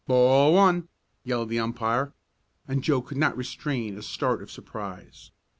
"Ball one!" yelled the umpire, and Joe could not restrain a start of surprise.